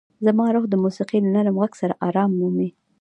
زما روح د موسیقۍ له نرم غږ سره ارام مومي.